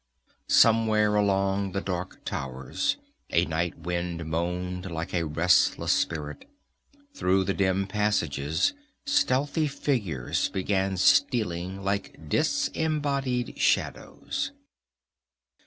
Somewhere among the dark towers a night wind moaned like a restless spirit. Through the dim passages stealthy figures began stealing, like disembodied shadows.